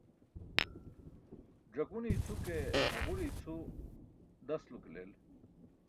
Ẓakune i̇cʰu ke haġure i̇cʰu dasulo ke leel.